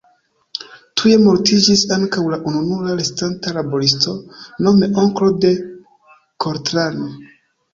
Tuje mortiĝis ankaŭ la ununura restanta laboristo, nome onklo de Coltrane.